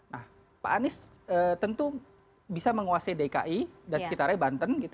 nah pak anies tentu bisa menguasai dki dan sekitarnya banten gitu